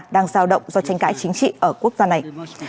đang giao động do tranh cãi chính trị ở quốc gia này